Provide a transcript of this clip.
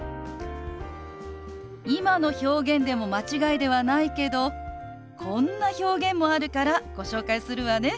今の表現でも間違いではないけどこんな表現もあるからご紹介するわね。